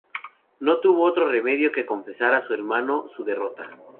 No tuvo otro remedio que confesar a su hermano su derrota.